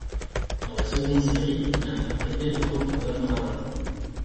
Dans la seconde série, il interprétait le rôle de Don Ramon.